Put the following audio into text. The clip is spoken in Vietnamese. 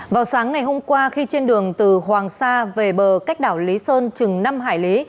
vào sáng ngày hôm qua khi trên đường từ hoàng sa về bờ cách đảo lý sơn chừng năm hải lý